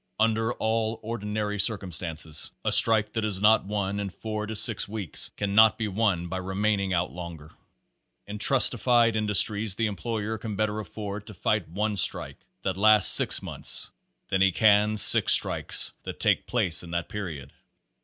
Under all ordinary circumstances a strike that is not won in four to six weeks cannot be won by remaining out longer. In trustified industry the employer can better afford to fight one strike that lasts six months than he can six strikes that take place in that period.